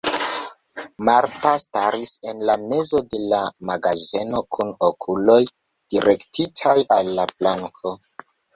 Marta staris en la mezo de la magazeno kun okuloj direktitaj al la planko.